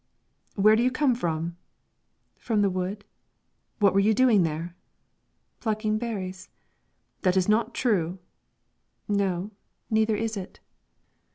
"Where do you come from?" "From the wood." "What were you doing there?" "Plucking berries." "That is not true." "No; neither is it."